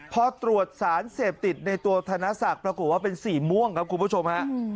พอตรวจสารเสพติดในตัวธนศักดิ์ปรากฏว่าเป็นสีม่วงครับคุณผู้ชมฮะ